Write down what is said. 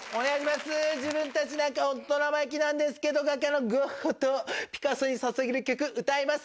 自分たちホント生意気なんですけど画家のゴッホとピカソにささげる曲歌います。